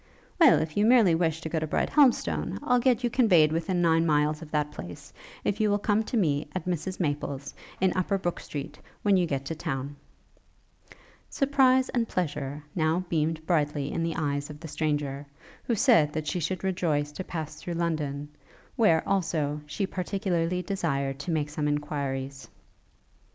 'Well, if you merely wish to go to Brighthelmstone, I'll get you conveyed within nine miles of that place, if you will come to me, at Mrs Maple's, in Upper Brooke street, when you get to town.' Surprise and pleasure now beamed brightly in the eyes of the stranger, who said that she should rejoice to pass through London, where, also, she particularly desired to make some enquiries.